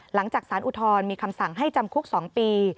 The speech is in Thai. หลังจากสารอุทธรณมีคำสั่งให้จำคุก๒ปี